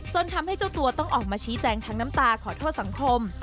จนทำให้เจ้าตัวต้องออกมาชี้แจงทั้งน้ำตาขอโทษสังคม